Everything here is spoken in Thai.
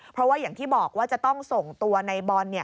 เพราะว่าอย่างที่บอกว่าจะต้องส่งตัวในบอล